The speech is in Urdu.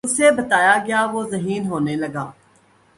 اُسے بتایا گیا وُہ ذہین ہونے لگا